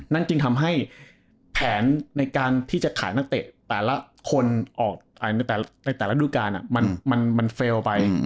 จึงทำให้แผนในการที่จะขายนักเตะแต่ละคนออกในแต่ละดูการมันเฟลล์ไป